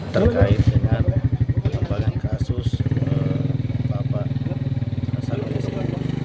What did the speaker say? terkait dengan kelembagaan kasus bapak salim